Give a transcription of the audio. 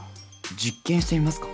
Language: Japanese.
実験してみますか？